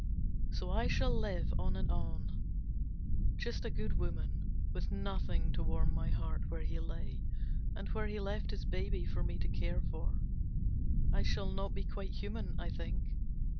So I shall live on and on. Just a good woman. With nothing to warm my heart where he lay, and where he left his baby for me to care for. I shall not be quite human, I think.